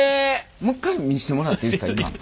もう一回見せてもらっていいですか？